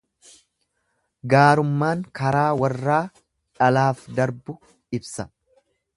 Gaarummaan karaa warraa dhalaaf darbu ibsa.